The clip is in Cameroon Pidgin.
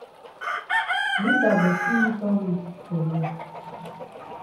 Rita go still meetup we for here.